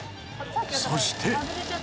そして！